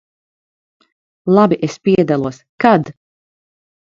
Labi, es piedalos. Kad?